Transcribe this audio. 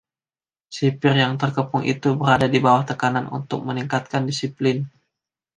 Sipir yang terkepung itu berada di bawah tekanan untuk meningkatkan disiplin.